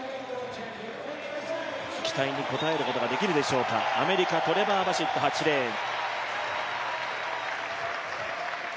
期待に応えることができるでしょうかアメリカ、トレバー・バシット８レーン。